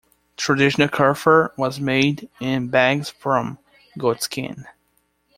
Traditional kefir was made in bags from goatskin.